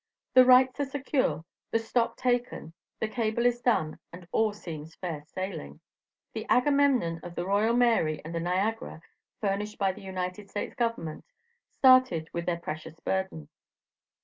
The rights are secure; the stock taken; the cable is done and all seems fair sailing. The Agamemnon of the Royal Mary and the Niagara, furnished by the United States government, started with their precious burden.